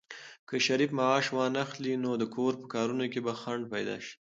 که شریف معاش وانخلي، نو د کور په کارونو کې به خنډ پيدا شي.